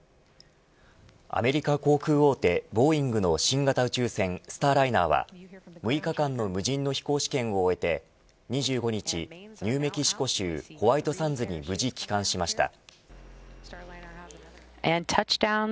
アメリカ航空大手ボーイングの新型宇宙船スターライナーは６日間の無人の飛行試験を終えて２５日、ニューメキシコ州ホワイトサンズに無事帰還しました。